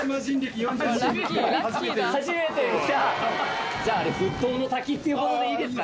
初めて見た？じゃああれ沸騰の滝っていうことでいいですかね？